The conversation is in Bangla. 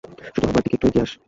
শুধু আমার দিকে একটু এগিয়ে আস।